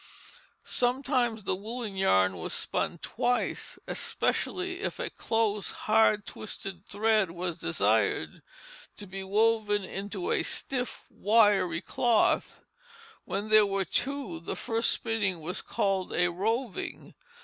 Sometimes the woollen yarn was spun twice; especially if a close, hard twisted thread was desired, to be woven into a stiff, wiry cloth. When there were two, the first spinning was called a roving.